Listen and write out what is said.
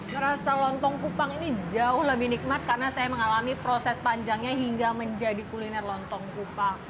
merasa lontong kupang ini jauh lebih nikmat karena saya mengalami proses panjangnya hingga menjadi kuliner lontong kupang